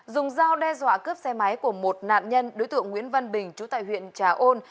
dùng dao đe dọa cướp xe máy của một nạn nhân đối tượng nguyễn văn bình chú tại huyện trà ôn